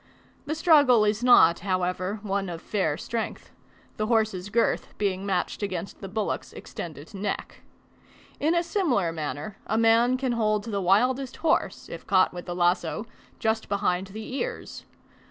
The struggle is not, however, one of fair strength; the horse's girth being matched against the bullock's extended neck. In a similar manner a man can hold the wildest horse, if caught with the lazo, just behind the ears.